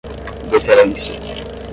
deferência